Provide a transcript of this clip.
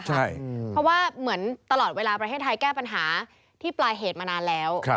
เพราะว่าเหมือนตลอดเวลาประเทศไทยแก้ปัญหาที่ปลายเหตุมานานแล้ว